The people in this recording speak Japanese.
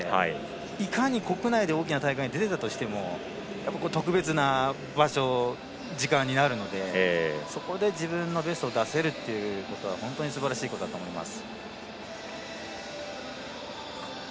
いかに国内で大きな大会に出ていたとしても特別な場所、時間になるのでそこで自分のベストを出せるというのは本当にすばらしいことだと思います。